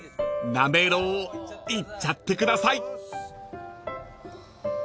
［なめろういっちゃってください］